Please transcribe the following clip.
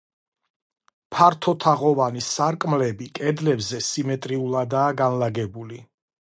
ფართო თაღოვანი სარკმლები კედლებზე სიმეტრიულადაა განლაგებული.